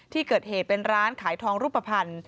ที่เกิดเหตุเป็นร้านขายทองรูปภัณฑ์